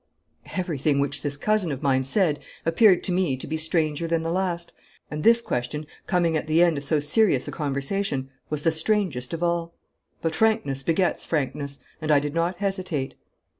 Everything which this cousin of mine said appeared to me to be stranger than the last, and this question, coming at the end of so serious a conversation, was the strangest of all. But frankness begets frankness, and I did not hesitate.